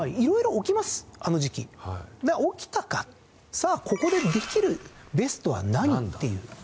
さあここでできるベストは何？っていう。